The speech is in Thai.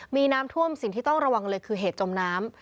มีน้ำท่วมสิ่งที่ต้องระวังเลยคือเหตุจมน้ำ